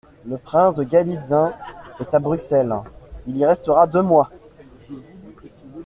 Le prince de Galitzin est à Bruxelles ; il y restera deux mois.